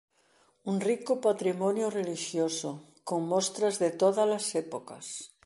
Un rico patrimonio relixioso con mostras de tódalas épocas.